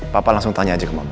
papa langsung tanya aja ke bapak